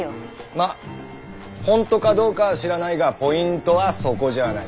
まあほんとかどうかは知らないがポイントはそこじゃない。